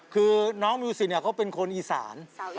คือน้องมิวสิเนี่ยเขาเป็นคนอีสาน